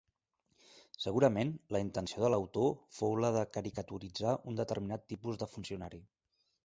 Segurament la intenció de l'autor fou la de caricaturitzar un determinat tipus de funcionari.